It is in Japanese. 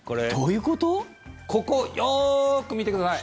ここ、よく見てください。